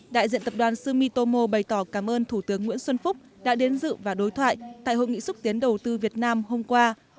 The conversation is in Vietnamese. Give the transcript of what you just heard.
đại diện tập đoàn sumitomo bày tỏ cảm ơn thủ tướng nguyễn xuân phúc đã đến dự và đối thoại tại hội nghị xúc tiến đầu tư việt nam hôm qua